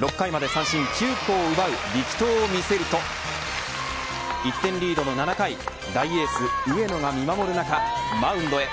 ６回まで三振９個を奪う力投を見せると１点リードの７回大エース上野が見守る中マウンドへ。